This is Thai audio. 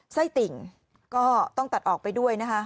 ไส้ติ่งก็ต้องตัดออกไปด้วยนะคะ